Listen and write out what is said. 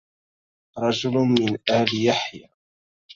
رجل من آل يحيى